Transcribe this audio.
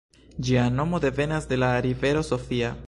Ĝia nomo devenas de la rivero Sofia.